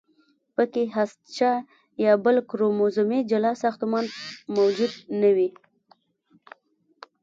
پکې هستچه یا بل کروموزومي جلا ساختمان موجود نه دی.